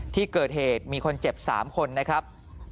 ที่เกิดเหตุมีคนเจ็บ๓คนนะครับ